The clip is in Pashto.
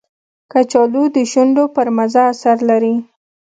کچالو د شونډو پر مزه اثر لري